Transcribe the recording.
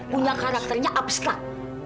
punya karakternya abstrak